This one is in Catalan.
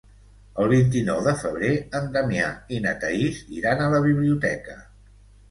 El vint-i-nou de febrer en Damià i na Thaís iran a la biblioteca.